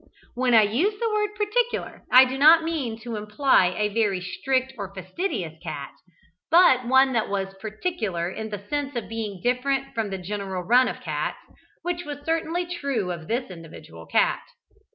When I use the word "particular," I do not mean to imply a very strict or fastidious cat, but one that was particular in the sense of being different from the general run of cats, which was certainly true of this individual cat.